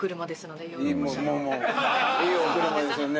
いいお車ですよね。